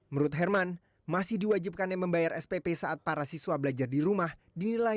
menurut herman masih diwajibkannya membayar spp saat para siswa belajar di rumah dinilai